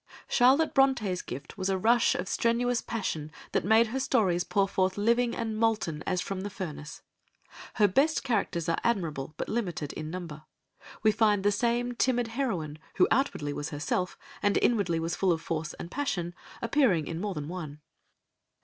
Charlotte Brontë's gift was a rush of strenuous passion that made her stories pour forth living and molten as from the furnace. Her best characters are admirable, but limited in number; we find the same timid heroine, who outwardly was herself, and inwardly was full of force and passion, appearing in more than one.